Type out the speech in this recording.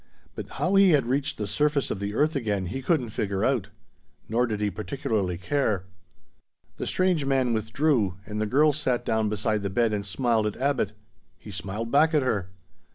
But how he had reached the surface of the earth again, he couldn't figure out. Nor did he particularly care. The strange man withdrew, and the girl sat down beside the bed and smiled at Abbot. He smiled back at her.